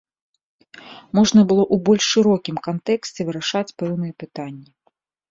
Можна было ў больш шырокім кантэксце вырашаць пэўныя пытанні.